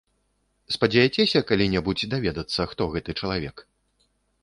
Спадзеяцеся калі-небудзь даведацца, хто гэты чалавек?